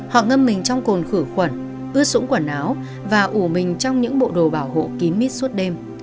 họ ngâm mình trong cồn khử khuẩn ướt xuống quần áo và ủ mình trong những bộ đồ bảo hộ kín mít suốt đêm